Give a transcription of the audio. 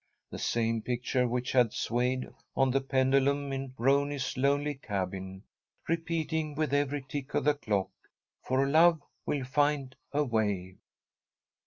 The same picture which had swayed on the pendulum in Roney's lonely cabin, repeating, with every tick of the clock, "For love will find a way!"